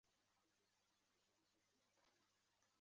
决赛则于预赛翌日同一时间进行。